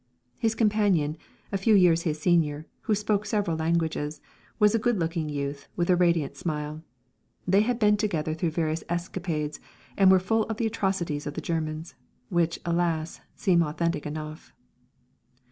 His companion, a few years his senior, who spoke seven languages, was a good looking youth with a radiant smile. They had been together through various escapades, and were full of the atrocities of the Germans, which, alas! seem authentic enough.